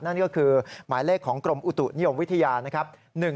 นั่นก็คือหมายเลขของกรมอุตุนิยมวิทยานะครับ